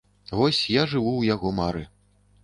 Вось, я жыву ў яго мары.